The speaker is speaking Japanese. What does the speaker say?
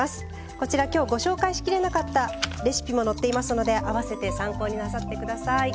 こちら今日ご紹介しきれなかったレシピも載っていますので併せて参考になさって下さい。